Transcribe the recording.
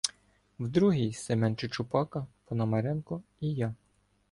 В другій — Семен Чучупака, Пономаренко і я.